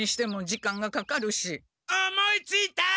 思いついた！